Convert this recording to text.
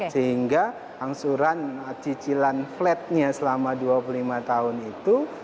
sehingga angsuran cicilan flat nya selama dua puluh lima tahun itu